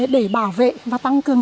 để bảo vệ và tăng cường